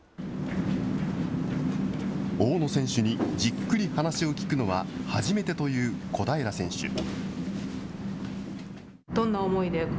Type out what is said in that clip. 大野選手にじっくり話を聞くのは初めてという小平選手。